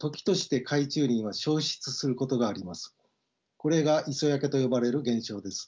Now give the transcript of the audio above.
これが磯焼けと呼ばれる現象です。